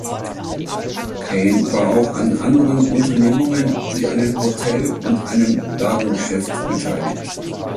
Paine war auch an anderen Unternehmungen wie einem Hotel und einem Ladengeschäft beteiligt.